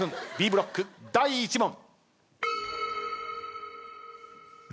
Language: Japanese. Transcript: Ｂブロック第１問。